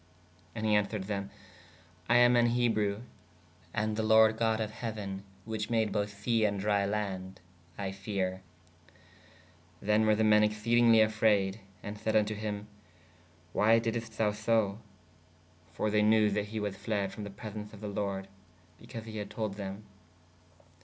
¶ And he answered thē/ I am an Ebrue: & the lord God of heuen which made both se and drie land/ I feare. Then were the men exceadingly afrayd & sayd vn to him/ why diddest thou so? For they knew that he was fled from the presens of the lorde/ because he had told them.